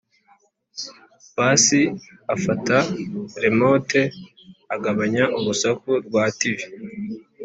pasi afata remote agabanya urusaku rwa tivi